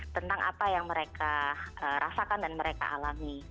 tentang apa yang mereka rasakan dan mereka alami